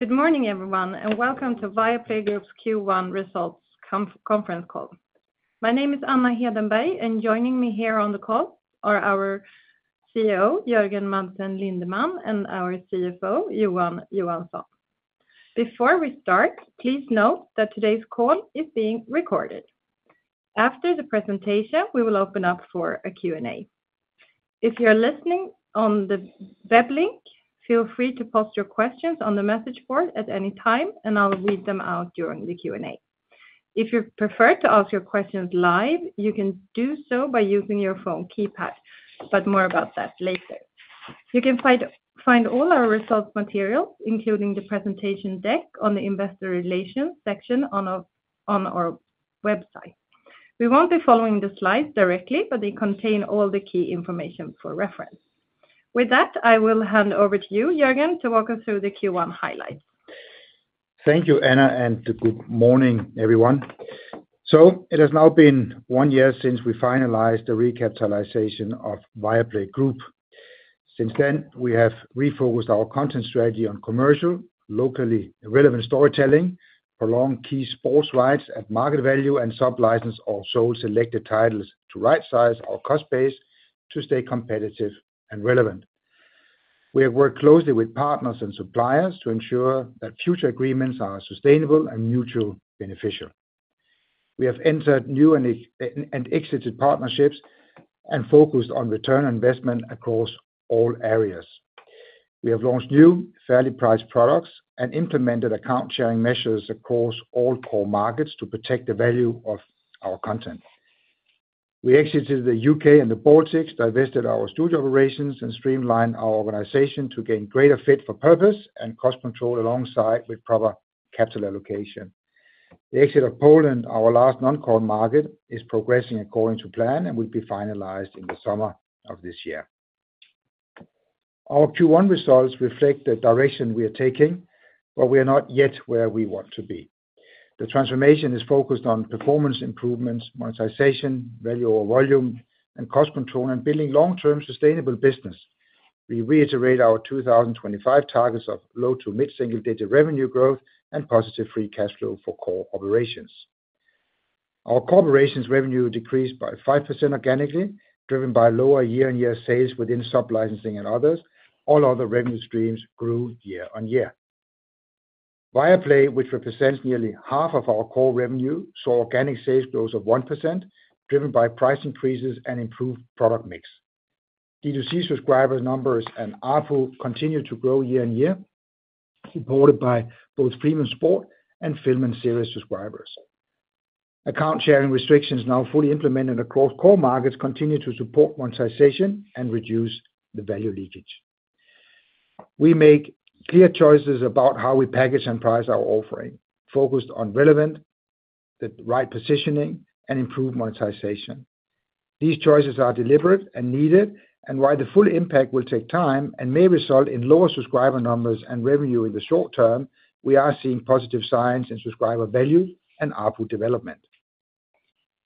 Good morning, everyone, and welcome to Viaplay Group's Q1 results conference call. My name is Anna Hedenberg, and joining me here on the call are our CEO, Jørgen Madsen Lindemann, and our CFO, Johan Johansson. Before we start, please note that today's call is being recorded. After the presentation, we will open up for a Q&A. If you're listening on the web link, feel free to post your questions on the message board at any time, and I'll read them out during the Q&A. If you prefer to ask your questions live, you can do so by using your phone keypad, but more about that later. You can find all our results materials, including the presentation deck on the Investor Relations section on our website. We won't be following the slides directly, but they contain all the key information for reference. With that, I will hand over to you, Jørgen, to walk us through the Q1 highlights. Thank you, Anna, and good morning, everyone. It has now been one year since we finalized the recapitalization of Viaplay Group. Since then, we have refocused our content strategy on commercial, locally relevant storytelling, prolonged key sports rights at market value, and sub-licensed or sold selected titles to right-size our cost base to stay competitive and relevant. We have worked closely with partners and suppliers to ensure that future agreements are sustainable and mutually beneficial. We have entered new and exited partnerships and focused on return on investment across all areas. We have launched new, fairly priced products and implemented account-sharing measures across all core markets to protect the value of our content. We exited the U.K. and the Baltics, divested our studio operations, and streamlined our organization to gain greater fit for purpose and cost control alongside proper capital allocation. The exit of Poland, our last non-core market, is progressing according to plan and will be finalized in the summer of this year. Our Q1 results reflect the direction we are taking, but we are not yet where we want to be. The transformation is focused on performance improvements, monetization, value over volume, and cost control, and building long-term sustainable business. We reiterate our 2025 targets of low to mid single-digit revenue growth and positive free cash flow for core operations. Our core operations revenue decreased by 5% organically, driven by lower year-on-year sales within sub-licensing and others. All other revenue streams grew year on year. Viaplay, which represents nearly half of our core revenue, saw organic sales growth of 1%, driven by price increases and improved product mix. D2C subscribers' numbers and ARPU continue to grow year on year, supported by both Film and Sport and Film and Series subscribers. Account-sharing restrictions now fully implemented across core markets continue to support monetization and reduce the value leakage. We make clear choices about how we package and price our offering, focused on relevance, the right positioning, and improved monetization. These choices are deliberate and needed, and while the full impact will take time and may result in lower subscriber numbers and revenue in the short term, we are seeing positive signs in subscriber value and ARPU development.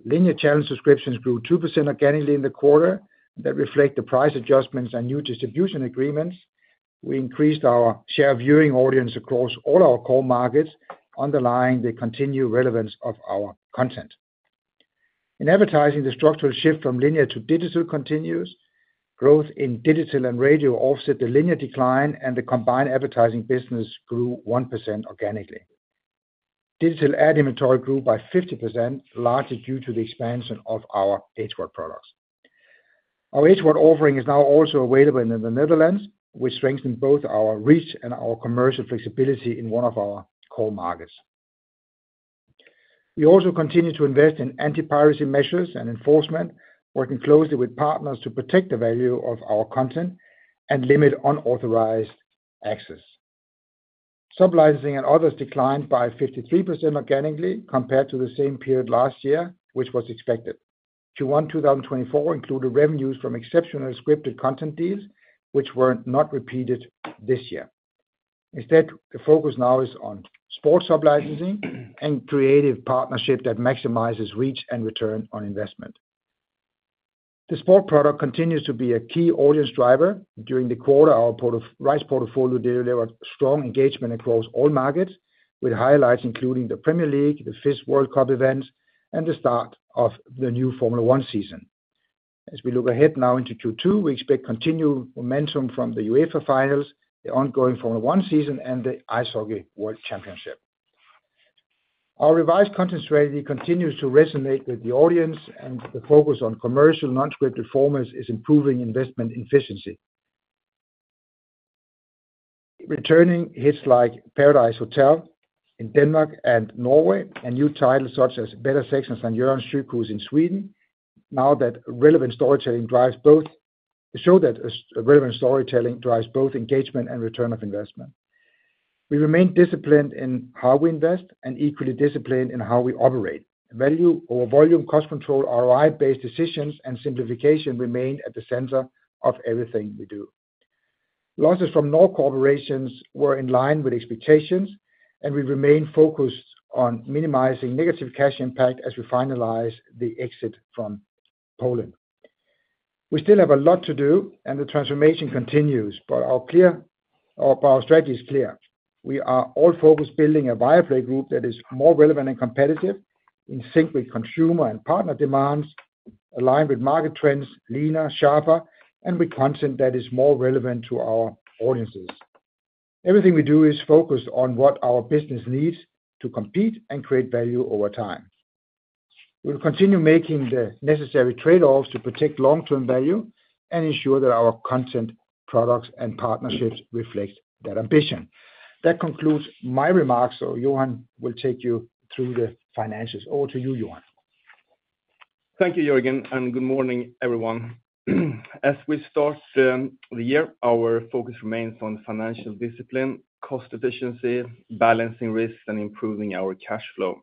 Linear channel subscriptions grew 2% organically in the quarter. That reflects the price adjustments and new distribution agreements. We increased our share of viewing audience across all our core markets, underlying the continued relevance of our content. In advertising, the structural shift from linear to digital continues. Growth in digital and radio offset the linear decline, and the combined advertising business grew 1% organically. Digital ad inventory grew by 50%, largely due to the expansion of our HVOD products. Our HVOD offering is now also available in the Netherlands, which strengthened both our reach and our commercial flexibility in one of our core markets. We also continue to invest in anti-piracy measures and enforcement, working closely with partners to protect the value of our content and limit unauthorized access. Sub-licensing and others declined by 53% organically compared to the same period last year, which was expected. Q1 2024 included revenues from exceptional scripted content deals, which were not repeated this year. Instead, the focus now is on sports sub-licensing and creative partnership that maximizes reach and return on investment. The Sport product continues to be a key audience driver. During the quarter, our rights portfolio delivered strong engagement across all markets, with highlights including the Premier League, the FIS World Cup events, and the start of the new Formula 1 season. As we look ahead now into Q2, we expect continued momentum from the UEFA finals, the ongoing Formula 1 season, and the Ice Hockey World Championship. Our revised content strategy continues to resonate with the audience, and the focus on commercial non-scripted formats is improving investment efficiency. Returning hits like Paradise Hotel in Denmark and Norway, and new titles such as Bättre Sex and S:t Görans Sjukhus in Sweden, now that relevant storytelling drives both, show that relevant storytelling drives both engagement and return of investment. We remain disciplined in how we invest and equally disciplined in how we operate. Value over volume, cost control, ROI-based decisions, and simplification remain at the center of everything we do. Losses from non-core operations were in line with expectations, and we remain focused on minimizing negative cash impact as we finalize the exit from Poland. We still have a lot to do, and the transformation continues, but our strategy is clear. We are all focused on building a Viaplay Group that is more relevant and competitive, in sync with consumer and partner demands, aligned with market trends, leaner, sharper, and with content that is more relevant to our audiences. Everything we do is focused on what our business needs to compete and create value over time. We will continue making the necessary trade-offs to protect long-term value and ensure that our content, products, and partnerships reflect that ambition. That concludes my remarks, so Johan will take you through the finances. Over to you, Johan. Thank you, Jørgen, and good morning, everyone. As we start the year, our focus remains on financial discipline, cost efficiency, balancing risks, and improving our cash flow.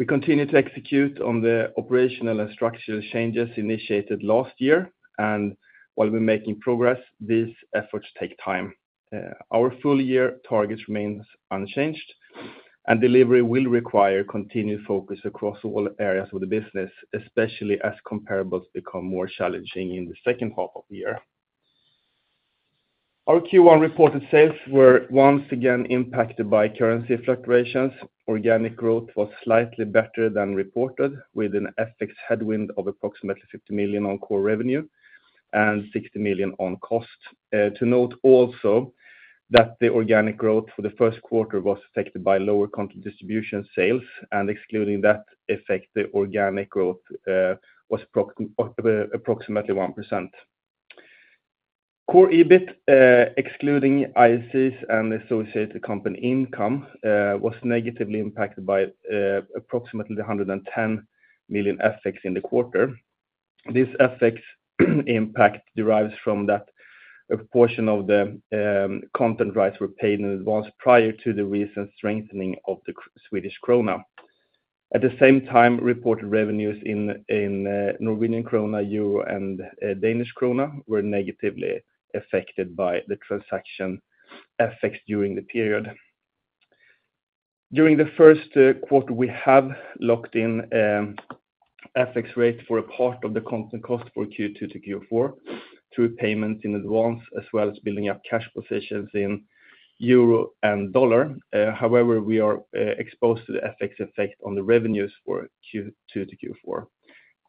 We continue to execute on the operational and structural changes initiated last year, and while we're making progress, these efforts take time. Our full-year targets remain unchanged, and delivery will require continued focus across all areas of the business, especially as comparables become more challenging in the second half of the year. Our Q1 reported sales were once again impacted by currency fluctuations. Organic growth was slightly better than reported, with an FX headwind of approximately 50 million on core revenue and 60 million on cost. To note also that the organic growth for the first quarter was affected by lower content distribution sales, and excluding that effect, the organic growth was approximately 1%. Core EBIT, excluding ISCs and associated company income, was negatively impacted by approximately 110 million FX in the quarter. This FX impact derives from that a portion of the content rights were paid in advance prior to the recent strengthening of the Swedish krona. At the same time, reported revenues in Norwegian krone, and Danish krone were negatively affected by the transaction FX during the period. During the first quarter, we have locked in FX rates for a part of the content cost for Q2 to Q4 through payments in advance, as well as building up cash positions in euro and dollar. However, we are exposed to the FX effect on the revenues for Q2 to Q4.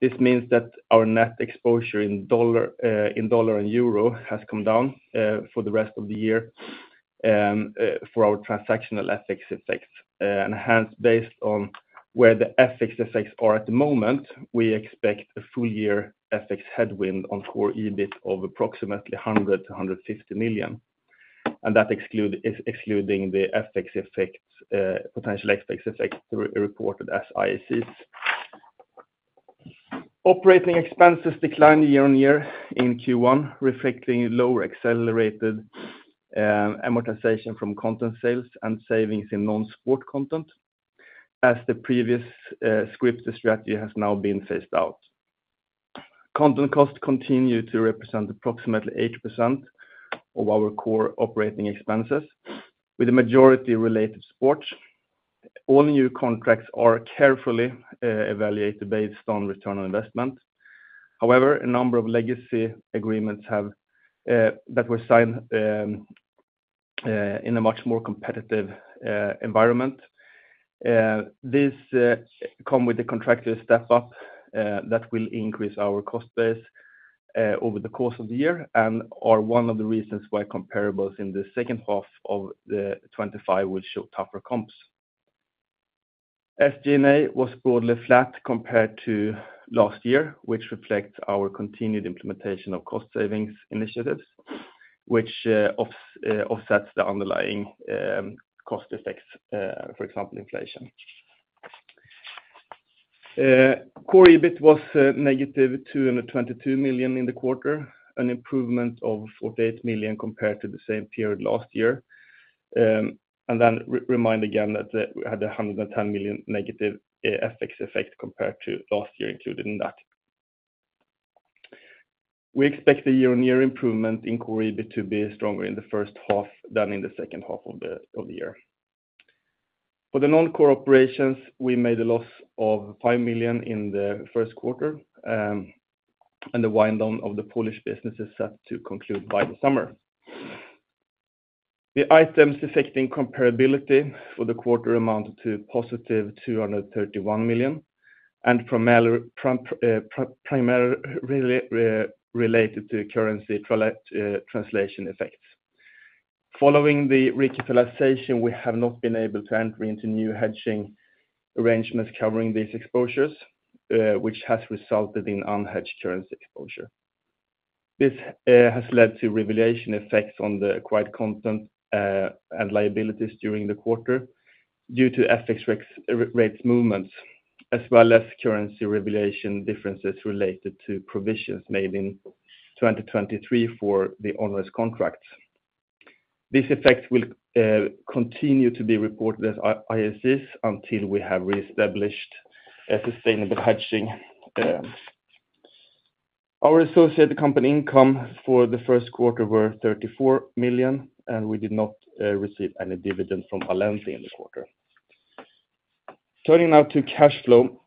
This means that our net exposure in dollar and euro has come down for the rest of the year for our transactional FX effects. Hence, based on where the FX effects are at the moment, we expect a full-year FX headwind on core EBIT of approximately 100 million-150 million. That excludes the potential FX effects reported as ISCs. Operating expenses declined year on year in Q1, reflecting lower accelerated amortization from content sales and savings in non-sport content, as the previous scripted strategy has now been phased out. Content costs continue to represent approximately 8% of our core operating expenses, with the majority related to sports. All new contracts are carefully evaluated based on return on investment. However, a number of legacy agreements that were signed in a much more competitive environment come with the contractual step-up that will increase our cost base over the course of the year and are one of the reasons why comparables in the second half of 2025 will show tougher comps. SG&A was broadly flat compared to last year, which reflects our continued implementation of cost savings initiatives, which offsets the underlying cost effects, for example, inflation. Core EBIT was -222 million in the quarter, an improvement of 48 million compared to the same period last year. Remind again that we had a -110 million FX effect compared to last year included in that. We expect the year-on-year improvement in core EBIT to be stronger in the first half than in the second half of the year. For the non-core operations, we made a loss of 5 million in the first quarter, and the wind down of the Polish business is set to conclude by the summer. The items affecting comparability for the quarter amounted to +231 million and primarily related to currency translation effects. Following the recapitalization, we have not been able to enter into new hedging arrangements covering these exposures, which has resulted in unhedged currency exposure. This has led to revaluation effects on the acquired content and liabilities during the quarter due to FX rates movements, as well as currency revaluation differences related to provisions made in 2023 for the onerous contracts. These effects will continue to be reported as ISCs until we have reestablished sustainable hedging. Our associated company income for the first quarter was 34 million, and we did not receive any dividend from Allente in the quarter. Turning now to cash flow,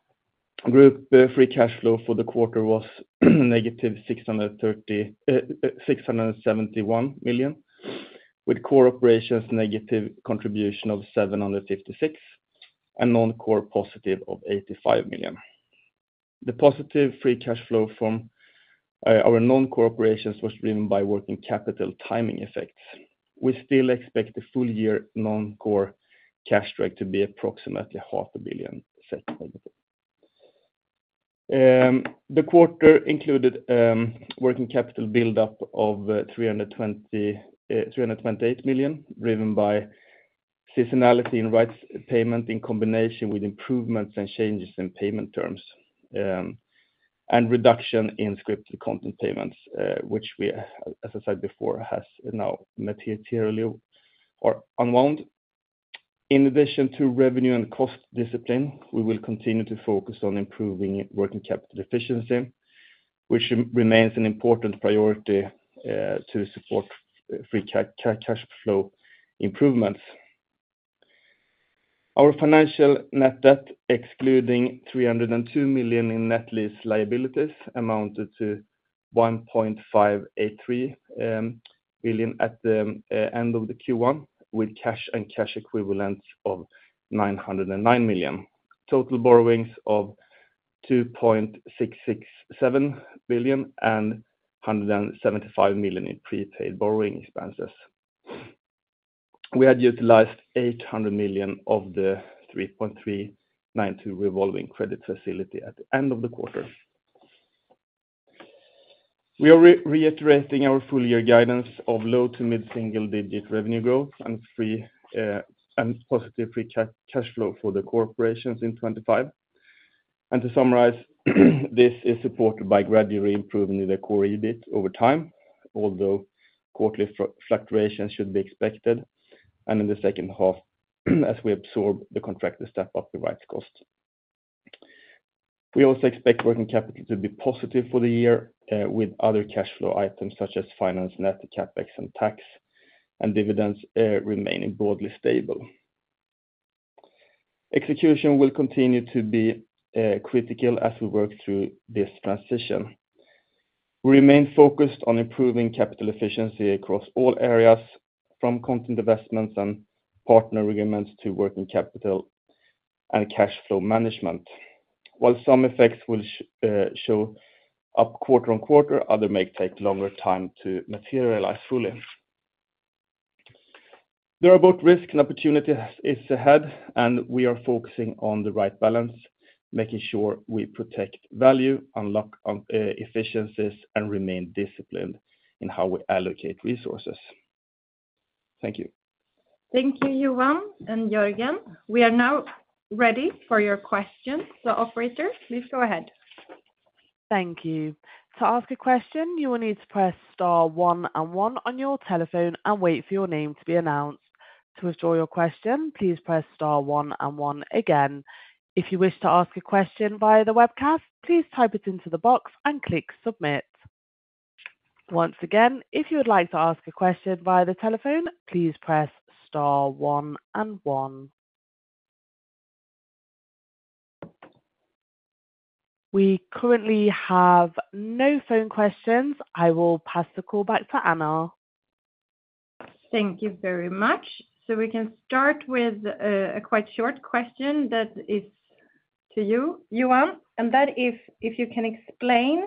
group free cash flow for the quarter was n -671 million, with core operations negative contribution of 756 million and non-core +85 million. The positive free cash flow from our non-core operations was driven by working capital timing effects. We still expect the full-year non-core cash drag to be approximately 500 million. The quarter included working capital build-up of 328 million driven by seasonality in rights payment in combination with improvements and changes in payment terms and reduction in scripted content payments, which, as I said before, has now materially unwound. In addition to revenue and cost discipline, we will continue to focus on improving working capital efficiency, which remains an important priority to support free cash flow improvements. Our financial net debt, excluding 302 million in net lease liabilities, amounted to 1.583 billion at the end of Q1, with cash and cash equivalents of 909 million. Total borrowings of 2.667 billion and 175 million in prepaid borrowing expenses. We had utilized 800 million of the 3.392 billion revolving credit facility at the end of the quarter. We are reiterating our full-year guidance of low to mid-single-digit revenue growth and positive free cash flow for the core operations in 2025. To summarize, this is supported by gradually improving the core EBIT over time, although quarterly fluctuations should be expected in the second half as we absorb the contractor step-up rights cost. We also expect working capital to be positive for the year, with other cash flow items such as finance, net, CapEx, and tax, and dividends remaining broadly stable. Execution will continue to be critical as we work through this transition. We remain focused on improving capital efficiency across all areas, from content investments and partner agreements to working capital and cash flow management. While some effects will show up quarter on quarter, others may take longer time to materialize fully. There are both risks and opportunities ahead, and we are focusing on the right balance, making sure we protect value, unlock efficiencies, and remain disciplined in how we allocate resources. Thank you. Thank you, Johan and Jørgen. We are now ready for your questions. Operator, please go ahead. Thank you. To ask a question, you will need to press star one and one on your telephone and wait for your name to be announced. To withdraw your question, please press star one and one again. If you wish to ask a question via the webcast, please type it into the box and click submit. Once again, if you would like to ask a question via the telephone, please press star one and one. We currently have no phone questions. I will pass the call back to Anna. Thank you very much. We can start with a quite short question that is to you, Johan, and that is if you can explain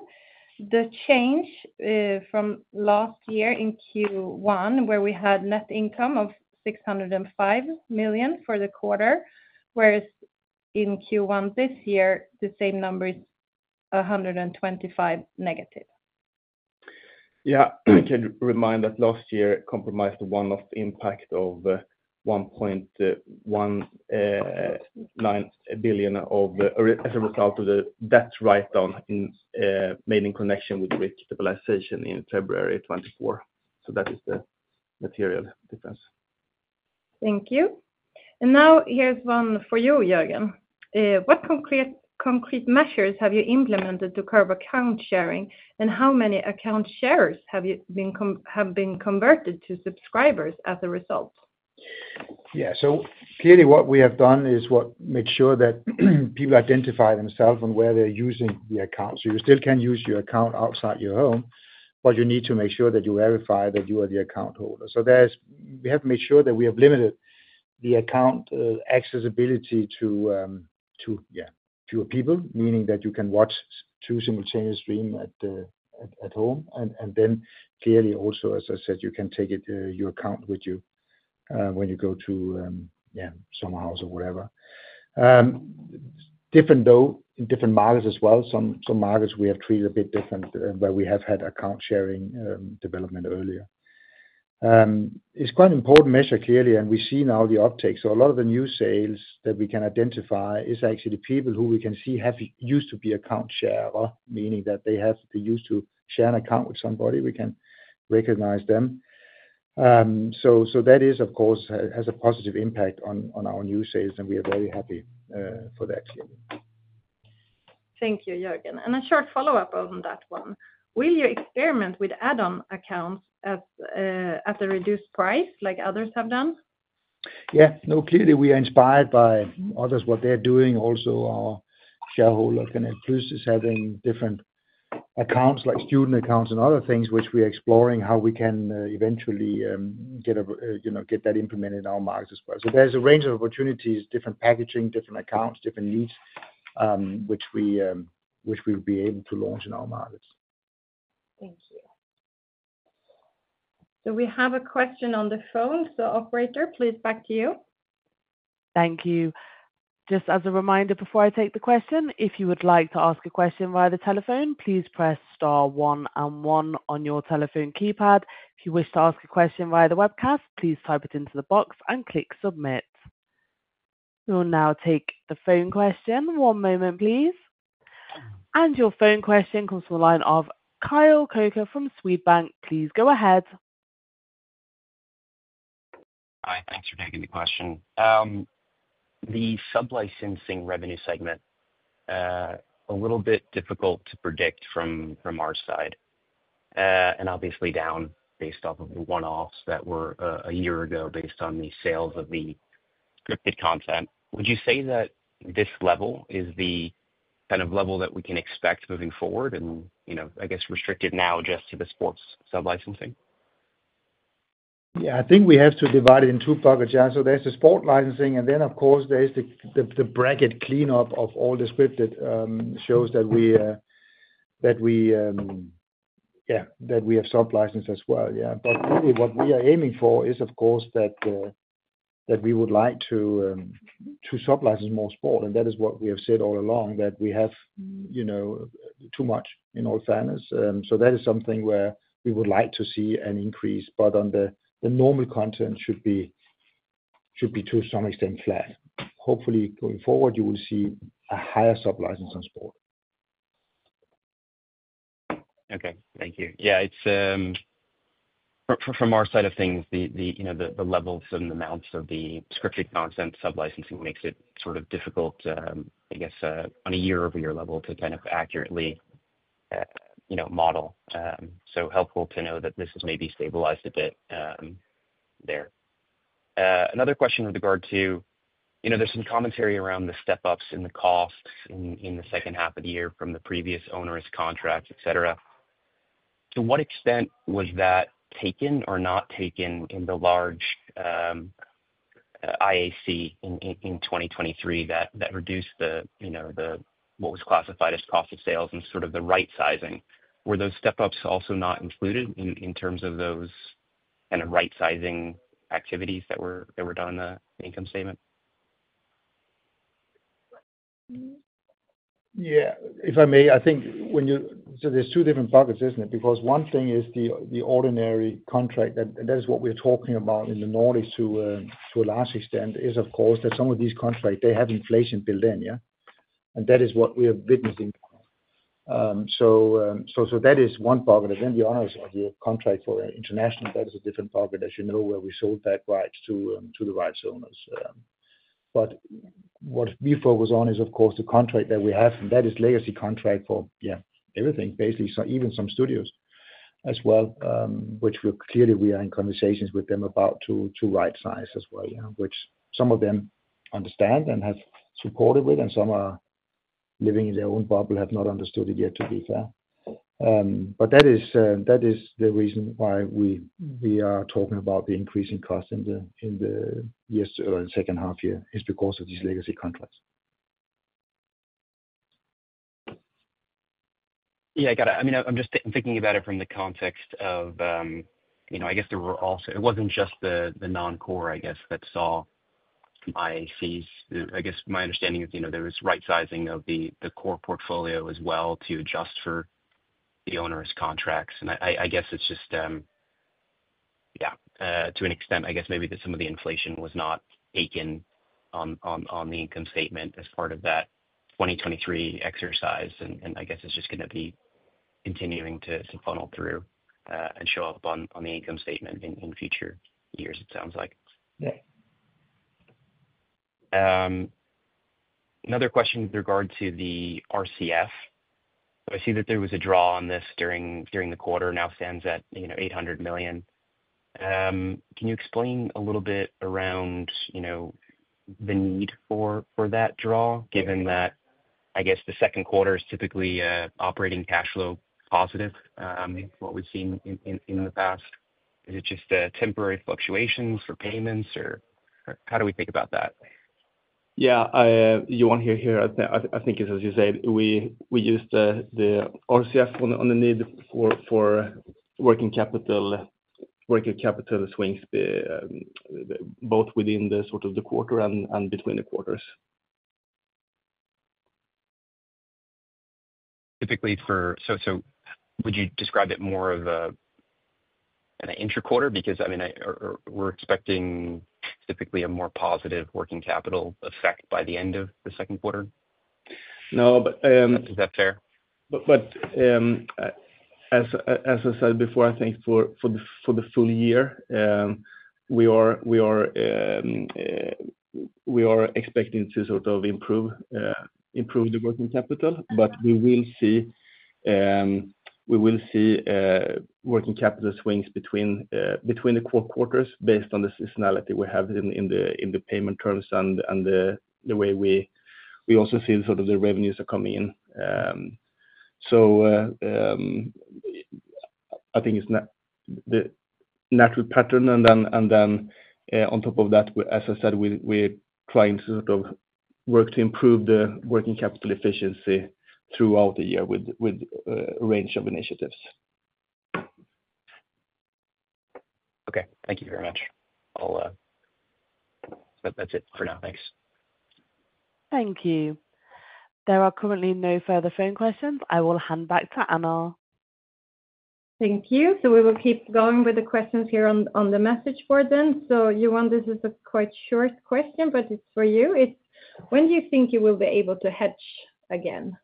the change from last year in Q1, where we had net income of 605 million for the quarter, whereas in Q1 this year, the same number is -125 million. Yeah, I can remind that last year comprised the one-off impact of 1.19 billion as a result of the debt write-down made in connection with recapitalization in February 2024. That is the material difference. Thank you. Now here's one for you, Jørgen. What concrete measures have you implemented to curb account sharing, and how many account sharers have been converted to subscribers as a result? Yeah, so clearly what we have done is made sure that people identify themselves and where they're using the account. You still can use your account outside your home, but you need to make sure that you verify that you are the account holder. We have made sure that we have limited the account accessibility to fewer people, meaning that you can watch two simultaneous streams at home. Clearly also, as I said, you can take your account with you when you go to summer house or whatever. Different though in different markets as well. Some markets we have treated a bit different where we have had account sharing development earlier. It's quite an important measure clearly, and we see now the uptake. A lot of the new sales that we can identify is actually the people who we can see have used to be account sharers, meaning that they used to share an account with somebody. We can recognize them. That is, of course, has a positive impact on our new sales, and we are very happy for that clearly. Thank you, Jørgen. A short follow-up on that one. Will you experiment with add-on accounts at a reduced price like others have done? Yeah, no, clearly we are inspired by others, what they're doing. Also, our shareholder can influence us having different accounts like student accounts and other things, which we are exploring how we can eventually get that implemented in our markets as well. There is a range of opportunities, different packaging, different accounts, different needs, which we will be able to launch in our markets. Thank you. We have a question on the phone. Operator, please back to you. Thank you. Just as a reminder before I take the question, if you would like to ask a question via the telephone, please press star one and one on your telephone keypad. If you wish to ask a question via the webcast, please type it into the box and click submit. We'll now take the phone question. One moment, please. Your phone question comes from the line of Kyle Koka from Swedbank. Please go ahead. Hi, thanks for taking the question. The sublicensing revenue segment, a little bit difficult to predict from our side, and obviously down based off of the one-offs that were a year ago based on the sales of the scripted content. Would you say that this level is the kind of level that we can expect moving forward and, I guess, restricted now just to the Sports sublicensing? Yeah, I think we have to divide it in two pockets, yeah. There is the Sport licensing, and then, of course, there is the bracket cleanup of all the scripted shows that we have sublicensed as well. Yeah, but really what we are aiming for is, of course, that we would like to sublicense more Sport, and that is what we have said all along, that we have too much in all fairness. That is something where we would like to see an increase, but the normal content should be to some extent flat. Hopefully, going forward, you will see a higher sublicense on Sport. Okay, thank you. Yeah, from our side of things, the levels and the amounts of the scripted content sublicensing makes it sort of difficult, I guess, on a year-over-year level to kind of accurately model. Helpful to know that this has maybe stabilized a bit there. Another question with regard to there's some commentary around the step-ups in the costs in the second half of the year from the previous onerous contracts, etc. To what extent was that taken or not taken in the large IAC in 2023 that reduced what was classified as cost of sales and sort of the right-sizing? Were those step-ups also not included in terms of those kind of right-sizing activities that were done in the income statement? Yeah, if I may, I think when you, so there's two different pockets, isn't it? Because one thing is the ordinary contract, and that is what we're talking about in the Nordics to a large extent, is, of course, that some of these contracts, they have inflation built in, yeah? That is what we are witnessing. That is one pocket. Then the onerous one, contracts for international, that is a different pocket, as you know, where we sold that right to the rights owners. What we focus on is, of course, the contract that we have, and that is legacy contract for, yeah, everything, basically, even some studios as well, which clearly we are in conversations with them about to right-size as well, yeah, which some of them understand and have supported with, and some are living in their own bubble, have not understood it yet, to be fair. That is the reason why we are talking about the increasing cost in the year's second half year is because of these legacy contracts. Yeah, I got it. I mean, I'm just thinking about it from the context of, I guess, there were also it wasn't just the non-core, I guess, that saw IACs. I guess my understanding is there was right-sizing of the core portfolio as well to adjust for the onerous contracts. I guess it's just, yeah, to an extent, I guess maybe that some of the inflation was not taken on the income statement as part of that 2023 exercise, and I guess it's just going to be continuing to funnel through and show up on the income statement in future years, it sounds like. Another question with regard to the RCF. I see that there was a draw on this during the quarter, now stands at 800 million. Can you explain a little bit around the need for that draw, given that, I guess, the second quarter is typically operating cash flow positive, what we've seen in the past? Is it just temporary fluctuations for payments, or how do we think about that? Yeah, you won't hear here. I think it's, as you said, we used the RCF on the need for working capital swings, both within the sort of the quarter and between the quarters. Would you describe it more of an intra-quarter? Because, I mean, we're expecting typically a more positive working capital effect by the end of the second quarter. No, but - Is that fair? As I said before, I think for the full year, we are expecting to sort of improve the working capital, but we will see working capital swings between the core quarters based on the seasonality we have in the payment terms and the way we also see sort of the revenues are coming in. I think it is the natural pattern. On top of that, as I said, we are trying to sort of work to improve the working capital efficiency throughout the year with a range of initiatives. Okay, thank you very much. That's it for now. Thanks. Thank you. There are currently no further phone questions. I will hand back to Anna. Thank you. We will keep going with the questions here on the message board then. Johan, this is a quite short question, but it's for you. When do you think you will be able to hedge again?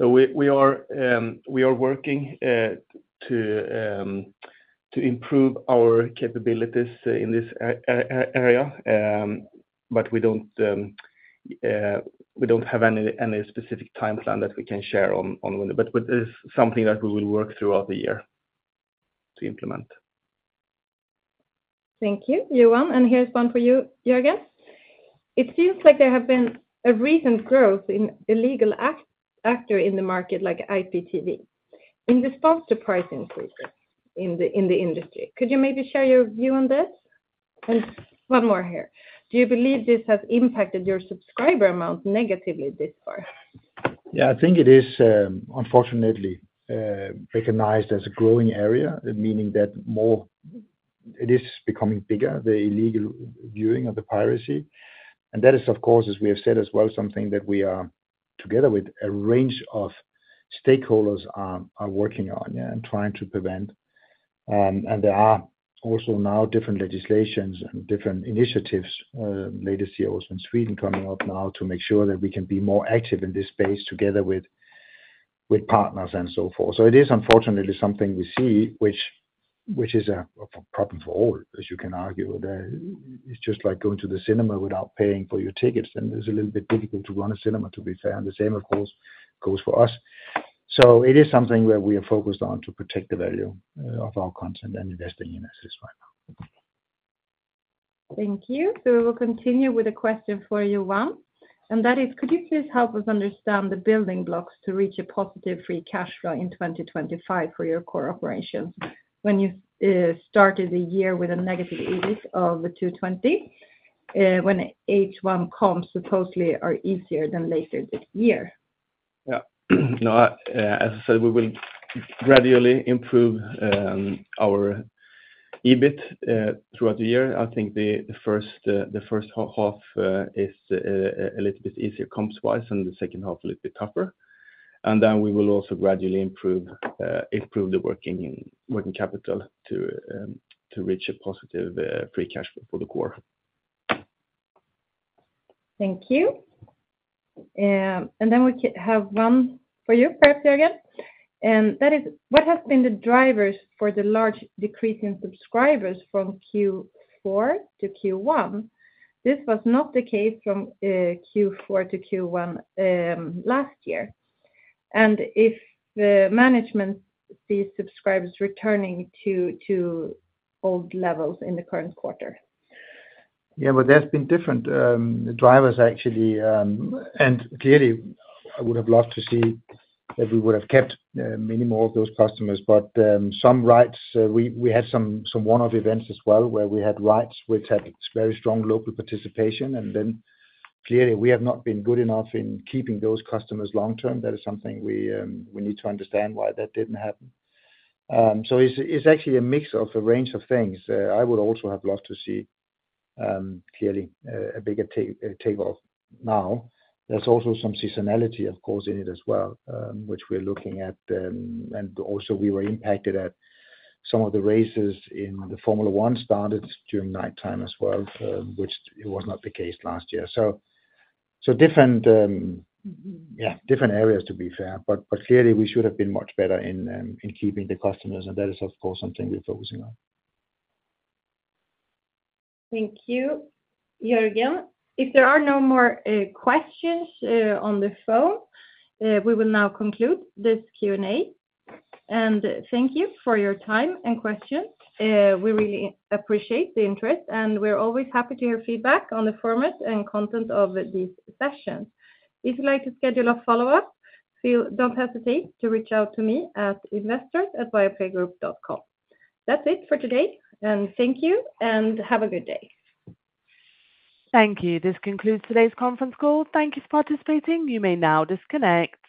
We are working to improve our capabilities in this area, but we do not have any specific timeline that we can share on. It is something that we will work throughout the year to implement. Thank you. Johan, and here's one for you, Jørgen. It seems like there has been a recent growth in the illegal actors in the market, like IPTV, in response to price increases in the industry. Could you maybe share your view on that? One more here. Do you believe this has impacted your subscriber amount negatively this far? Yeah, I think it is, unfortunately, recognized as a growing area, meaning that it is becoming bigger, the illegal viewing of the piracy. That is, of course, as we have said as well, something that we are together with a range of stakeholders working on and trying to prevent. There are also now different legislations and different initiatives, latest year also in Sweden coming up now to make sure that we can be more active in this space together with partners and so forth. It is, unfortunately, something we see, which is a problem for all, as you can argue. It's just like going to the cinema without paying for your tickets, and it's a little bit difficult to run a cinema, to be fair. The same, of course, goes for us. It is something where we are focused on to protect the value of our content and investing in assets right now. Thank you. We will continue with a question for Johan. That is, could you please help us understand the building blocks to reach a positive free cash flow in 2025 for your core operations when you started the year with EBIT of -220 million, when H1 comps supposedly are easier than later this year? Yeah. No, as I said, we will gradually improve our EBIT throughout the year. I think the first half is a little bit easier comps-wise, and the second half a little bit tougher. We will also gradually improve the working capital to reach a positive free cash flow for the core. Thank you. Then we have one for you, perhaps, Jørgen. That is, what has been the drivers for the large decrease in subscribers from Q4 to Q1? This was not the case from Q4 to Q1 last year. If management sees subscribers returning to old levels in the current quarter? Yeah, but there's been different drivers, actually. Clearly, I would have loved to see that we would have kept many more of those customers. Some rights, we had some one-off events as well where we had rights which had very strong local participation. Clearly, we have not been good enough in keeping those customers long-term. That is something we need to understand why that did not happen. It is actually a mix of a range of things. I would also have loved to see clearly a bigger takeoff now. There is also some seasonality, of course, in it as well, which we are looking at. Also, we were impacted as some of the races in the Formula 1 started during nighttime as well, which was not the case last year. Yeah, different areas, to be fair. Clearly, we should have been much better in keeping the customers. That is, of course, something we're focusing on. Thank you, Jørgen. If there are no more questions on the phone, we will now conclude this Q&A. Thank you for your time and questions. We really appreciate the interest, and we're always happy to hear feedback on the format and content of these sessions. If you'd like to schedule a follow-up, do not hesitate to reach out to me at investors@viaplaygroup.com. That is it for today. Thank you, and have a good day. Thank you. This concludes today's conference call. Thank you for participating. You may now disconnect.